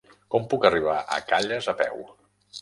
Com puc arribar a Calles a peu?